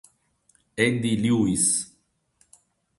Eddie Lewis